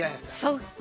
そっか。